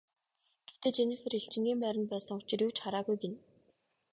Гэхдээ Женнифер элчингийн байранд байсан учир юу ч хараагүй гэнэ.